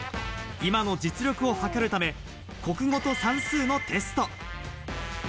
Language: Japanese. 今の実力をはかるため、国語と算数のテスト。